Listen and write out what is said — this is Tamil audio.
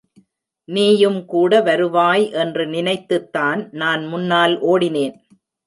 நீயும் கூட வருவாய் என்று நினைத்துத்தான் நான் முன்னால் ஒடினேன்.